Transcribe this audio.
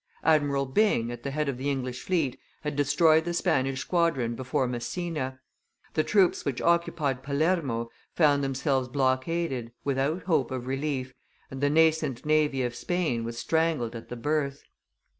Admiral Byng, at the head of the English fleet, had destroyed the Spanish squadron before Messina; the troops which occupied Palermo found themselves blockaded without hope of relief, and the nascent navy of Spain was strangled at the birth.